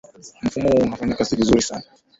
mfumo huu unafanya kazi vizuri sana